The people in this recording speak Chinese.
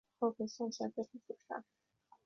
后被宋前废帝所杀。